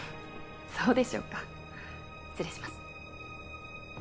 そうでしょうか失礼します